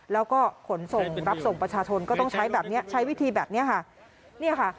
แล้วก็ขนส่งรับส่งประชาชนก็ต้องใช้แบบเนี้ยใช้วิธีแบบนี้ค่ะเนี่ยค่ะ